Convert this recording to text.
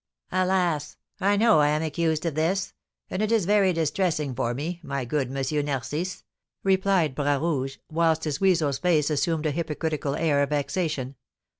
"Alas! I know I am accused of this; and it is very distressing for me, my good M. Narcisse," replied Bras Rouge, whilst his weasel's face assumed a hypocritical air of vexation.